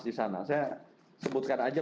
di sana saya sebutkan aja